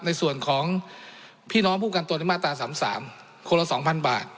ในส่วนของพี่น้องผู้กันตัวในมาตราสามสามคนละสองพันบาท